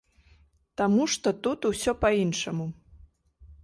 Таму што тут усё па-іншаму.